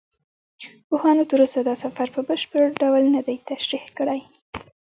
پوهانو تر اوسه دا سفر په بشپړ ډول نه دی تشریح کړی.